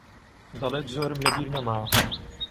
دەڵێت زۆرم لەبیر نەماوە.